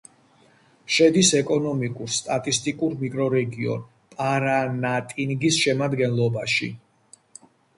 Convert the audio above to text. შედის ეკონომიკურ-სტატისტიკურ მიკრორეგიონ პარანატინგის შემადგენლობაში.